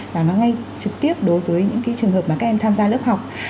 và nó ngay trực tiếp đối với những cái trường hợp mà các em tham gia lớp học